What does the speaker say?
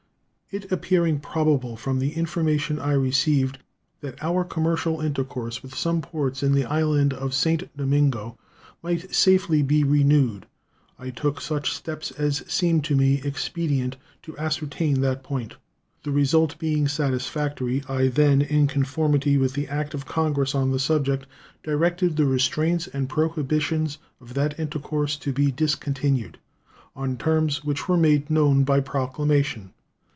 It appearing probable from the information I received that our commercial intercourse with some ports in the island of St. Domingo might safely be renewed, I took such steps as seemed to me expedient to ascertain that point. The result being satisfactory, I then, in conformity with the act of Congress on the subject, directed the restraints and prohibitions of that intercourse to be discontinued on terms which were made known by proclamation.